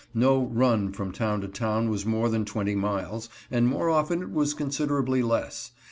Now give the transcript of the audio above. No "run" from town to town was more than twenty miles, and more often it was considerably less.